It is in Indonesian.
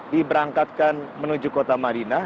diberangkatkan menuju kota madinah